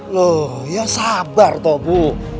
loh ya sabar toh bu